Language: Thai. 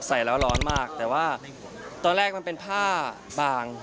ใส่แล้วร้อนมากแต่ว่าตอนแรกมันเป็นผ้าบาง